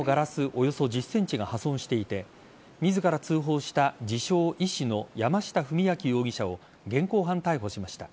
およそ１０ｃｍが破損していて自ら通報した自称・医師の山下史晃容疑者を現行犯逮捕しました。